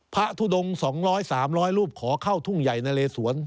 ทุดง๒๐๐๓๐๐รูปขอเข้าทุ่งใหญ่นะเลสวน